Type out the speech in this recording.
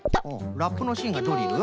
ラップのしんがドリル？